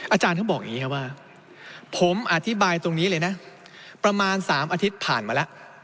อาจารย์เขาบอกอย่างนี้ครับว่าผมอธิบายตรงนี้เลยนะประมาณ๓อาทิตย์ผ่านมาแล้ว